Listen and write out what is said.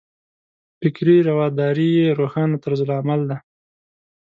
فکري رواداري یې روښانه طرز عمل دی.